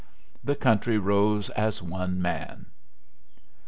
The country rose as one man!